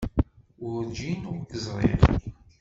Werǧin i k-ẓriɣ.